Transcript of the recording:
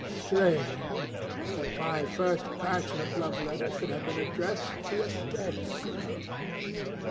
Strange, that my first passionate love letter should have been addressed to a dead girl.